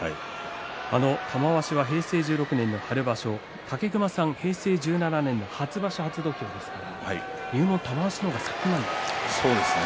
玉鷲は平成１６年の春場所は武隈さんが平成１７年の初場所、初土俵ですから入門は玉鷲の方が先なんですね。